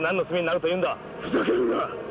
ふざけるな！